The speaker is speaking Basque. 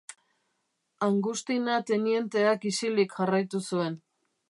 Angustina tenienteak isilik jarraitu zuen.